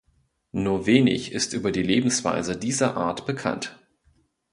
Nur wenig ist über die Lebensweise dieser Art bekannt.